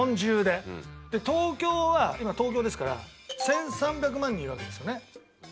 東京は今東京ですから１３００万人いるわけですよね。